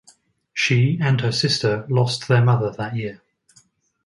She and her sister lost their mother that year.